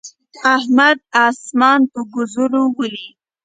احمد اسمان په ګوزو ولي.